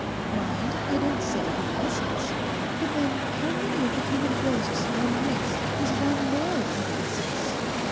Mind, I don't say in essence! But then how many of the human ghosts one meets does one know in essence?